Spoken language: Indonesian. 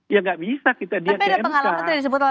ya gak bisa kita di mk